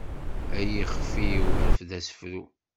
Ay ixef-iw rfed asefru.